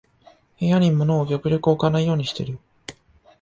部屋に物を極力置かないようにしてる